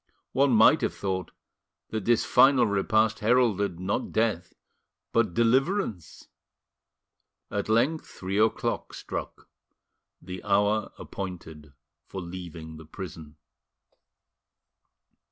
One might have thought that this final repast heralded, not death but deliverance. At length three o'clock struck the hour appointed for leaving the prison.